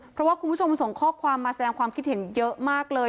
เพราะว่าคุณผู้ชมส่งข้อความมาแสดงความคิดเห็นเยอะมากเลย